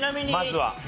まずは。